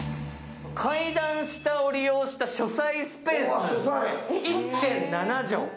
階段下を利用した書斎スペース、１．７畳。